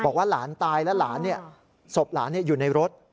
บอกว่าหลานตายและหลานศพหลานอยู่ในรถ